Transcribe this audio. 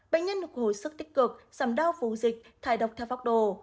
bệnh nhân được hồi sức tích cực giảm đau phù dịch thải độc theo pháp đồ